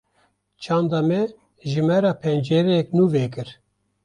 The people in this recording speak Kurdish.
Çanda me, ji me re pencereyek nû vekir